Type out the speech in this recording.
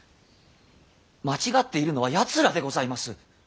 間違っているのはやつらでございます。